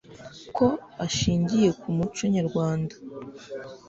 ko ashingiye ku muco nyarwanda.